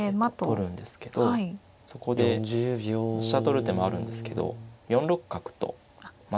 取るんですけどそこで飛車取る手もあるんですけど４六角とまた打つ。